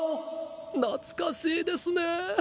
懐かしいですね。